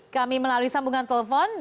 kami melalui sambungan telepon